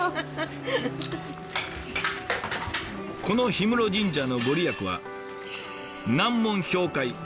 この氷室神社の御利益は「難問氷解」。